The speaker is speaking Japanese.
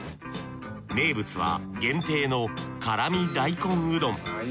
名物は限定の辛味大根うどん。